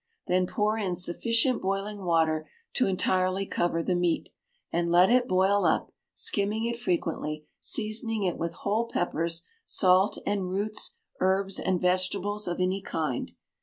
Then pour in sufficient boiling water to entirely cover the meat, and let it boil up, skimming it frequently; seasoning it with whole peppers, salt, and roots, herbs, and vegetables of any kind.